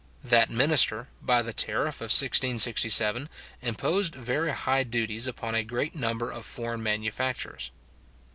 That minister, by the tariff of 1667, imposed very high duties upon a great number of foreign manufactures.